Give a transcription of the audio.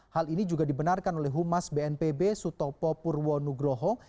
hal ini juga dibenarkan oleh humas bnpb sutopo purwonugroho